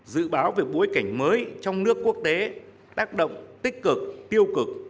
dự báo về bối cảnh mới trong nước quốc tế tác động tích cực tiêu cực